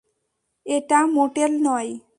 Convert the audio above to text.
এটা মোটেল নয়।